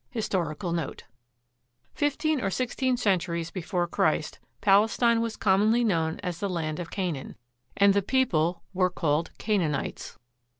HISTORICAL NOTE Fifteen or sixteen centuries before Christ, Palestine was commonly known as the land of Canaan, and the people were called Canaanites.